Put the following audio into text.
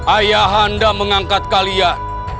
ayah anda mengangkat kalian